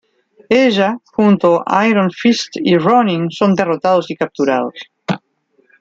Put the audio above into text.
Ella, junto Iron Fist y Ronin son derrotados y capturados.